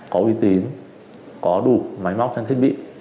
có uy tín có đủ máy móc trang thiết bị